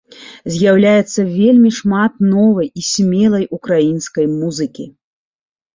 З'яўляецца вельмі шмат новай і смелай ўкраінскай музыкі.